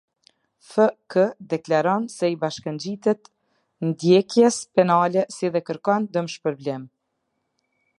F K, deklaron se i bashkëngjitet ndjekjes penale si dhe kërkon dëmshpërblim.